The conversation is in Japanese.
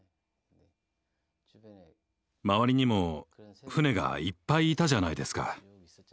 周りにも船がいっぱいいたじゃないですか。